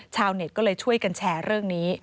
ชาวเน็ตก็เลยช่วยกันแชร์เรื่องนี้